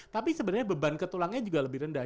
tapi sebenarnya beban ke tulangnya juga lebih rendah